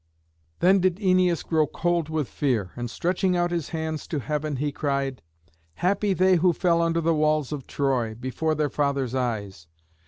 Then did Æneas grow cold with fear, and stretching out his hands to heaven he cried, "Happy they who fell under the walls of Troy, before their fathers' eyes!